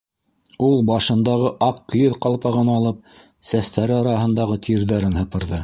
Ул, башындағы аҡ кейеҙ ҡалпағын алып, сәстәре араһындағы тирҙәрен һыпырҙы.